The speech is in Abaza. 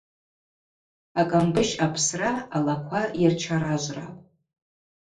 Акӏамбыщ апсра алаква йырчаражврапӏ.